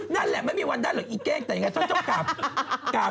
นั่นแหละไม่มีวันได้เลยแต่ว่าอยากจัดกลับ